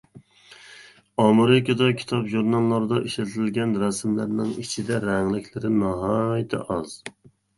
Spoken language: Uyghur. ئامېرىكىدىكى كىتاب-ژۇرناللاردا ئىشلىتىلگەن رەسىملەرنىڭ ئىچىدە رەڭلىكلىرى ناھايىتى ئاز.